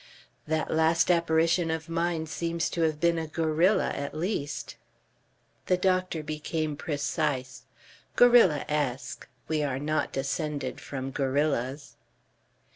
"That last apparition of mine seems to have been a gorilla at least." The doctor became precise. "Gorillaesque. We are not descended from gorillas."